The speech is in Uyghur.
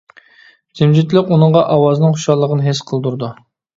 جىمجىتلىق ئۇنىڭغا ئاۋازنىڭ خۇشاللىقىنى ھېس قىلدۇرىدۇ.